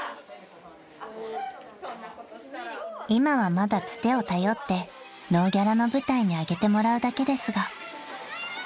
［今はまだつてを頼ってノーギャラの舞台に上げてもらうだけですが］